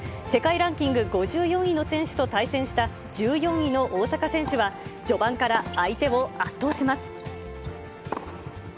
世界ランキング５４位の選手と対戦した１４位の大坂選手は、序盤から相手を圧倒します。